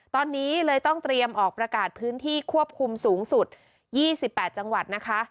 ตอนนี้เลยต้องเตรียมออกประกาศพื้นที่ควบคุมสูงสุด๒๘จังหวัดนะคะ